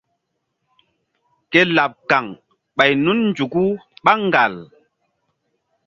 Ke laɓ kaŋ ɓay nun nzuku ɓá ŋgal.